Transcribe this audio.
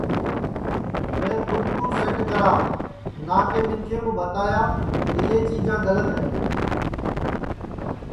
میں کھود کُو سیٹ کرا نہ کہ منکھیں کُو بھتایا کہ یہ چیجا گلت ہے